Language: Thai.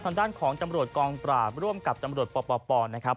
ทางด้านของตำรวจกองปราบร่วมกับตำรวจปปนะครับ